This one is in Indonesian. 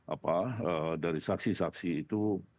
apa dari saksi saksi itu